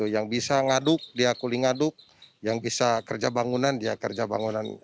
yang bisa ngaduk dia kuli ngaduk yang bisa kerja bangunan dia kerja bangunan